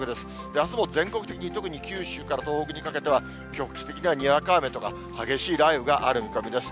あすも全国的に特に九州から東北にかけては、局地的なにわか雨とか、激しい雷雨がある見込みです。